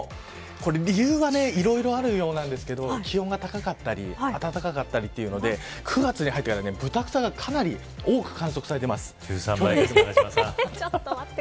これ理由はいろいろあるようなんですけど気温が高かったり暖かかったりというので９月に入ってからブタクサがかなり１３倍です、永島さん。